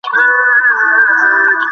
আমি তোমার সাথে দেখা করতে চাই।